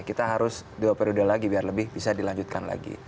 kita harus dua periode lagi biar lebih bisa dilanjutkan lagi